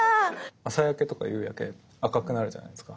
朝焼けとか夕焼け赤くなるじゃないですか。